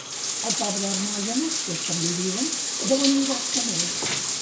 El pobre Hermògenes, que és com li diuen, deu enyorar-se molt.